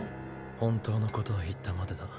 本当のことを言ったまでだ。